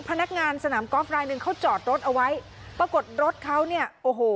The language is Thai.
พนักงานสนามกอล์ฟรายหนึ่งเขาจอดรถเอาไว้ปรากฏรถเขาเนี่ยโอ้โห